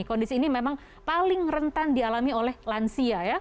kondisi ini memang paling rentan dialami oleh lansia ya